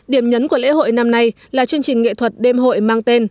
điểm nhấn của lễ hội năm nay là chương trình nghệ thuật đêm hội mang tên